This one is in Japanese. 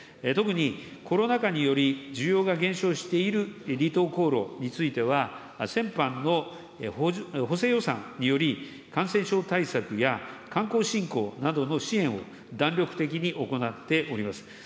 特にコロナ禍により、需要が減少している離島航路については、先般の補正予算により、感染症対策や観光振興などの支援を弾力的に行っております。